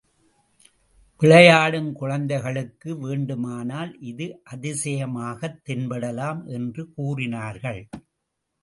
விளையாடும் குழந்தைகளுக்கு வேண்டுமானால் இது அதிசயமாகத் தென்படலாம் என்று கூறினார்கள்.